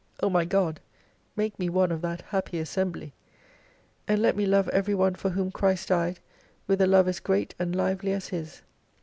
O my God, make me one of that happy assembly. And let me love every one for whom Christ died, with a love as great and lively as His.